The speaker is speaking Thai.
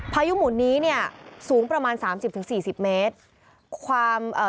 ภายุหมุนนี้เนี่ยสูงประมาณ๓๐๔๐เมตร